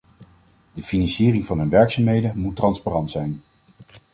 De financiering van hun werkzaamheden moet transparant zijn.